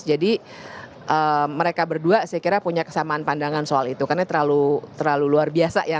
jadi mereka berdua saya kira punya kesamaan pandangan soal itu karena terlalu luar biasa ya